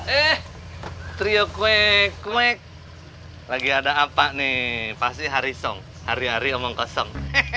eh trio kue kue lagi ada apa nih pasti hari song hari hari omong kosong